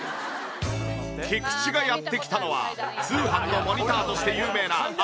キクチがやって来たのは通販のモニターとして有名なあのお宅。